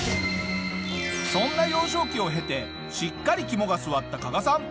そんな幼少期を経てしっかり肝が据わった加賀さん。